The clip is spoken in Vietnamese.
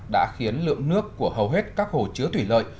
đã khiến lượng nước của hầu hết các hồ chứa thủy lợi